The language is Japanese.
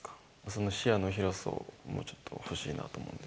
その視野の広さをもうちょっと欲しいなと思う。